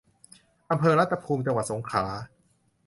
อำเภอรัตภูมิ จังหวัดสงขลา